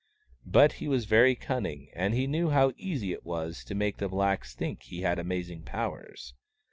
But he was very cunning, and he knew how easy it was to make the blacks think he had amazing powers.